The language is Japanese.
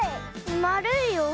まるいよ。